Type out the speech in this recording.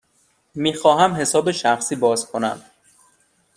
می خواهم حساب شخصی باز کنم.